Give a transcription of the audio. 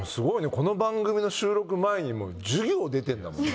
この番組の収録前に授業出てるんだもんね。